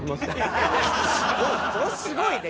すごいね。